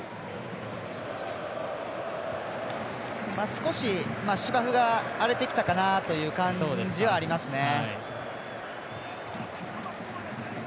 少し芝生が荒れてきたかなという感じはありますね。